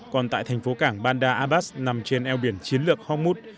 còn tại thành phố cảng bandar abbas nằm trên eo biển chiến lược hormuz